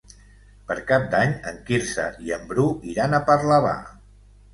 Per Cap d'Any en Quirze i en Bru iran a Parlavà.